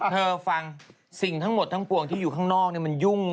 ฟังสิ่งทั้งหมดทั้งปวงที่อยู่ข้างนอกมันยุ่ง